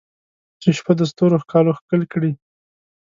چې شپه د ستورو ښکالو ښکل کړي